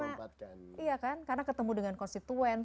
maksudnya karena ketemu dengan konstituen